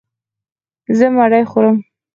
زه مړۍ خورم.